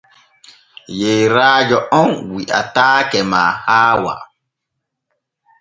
Yeyrajo om wiataake ma haawa.